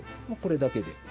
もうこれだけで。